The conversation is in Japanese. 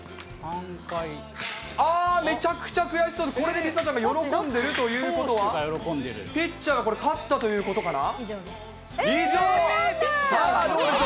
あー、めちゃくちゃ悔しそう、これで梨紗ちゃんが喜んでいるということは、ピッチャーがこれ、勝ったと以上です。